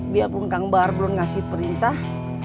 biarpun kang bar belum ngasih perintah